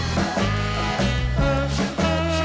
รับทราบ